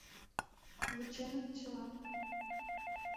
Вученыт чылан.